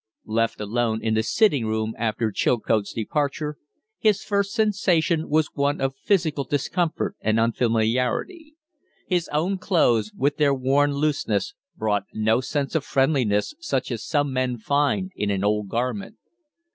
Left alone in the sitting room after Chilcote's departure, his first sensation was one of physical discomfort and unfamiliarity. His own clothes, with their worn looseness, brought no sense of friendliness such as some men find in an old garment.